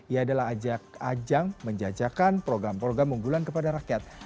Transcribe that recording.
ia adalah ajang menjajakan program program unggulan kepada rakyat